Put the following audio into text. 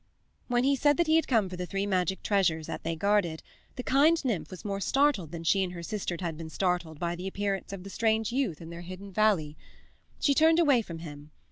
When he said that he had come for the three magic treasures that they guarded, the kind nymph was more startled than she and her sisters had been startled by the appearance of the strange youth in their hidden valley. She turned away from him.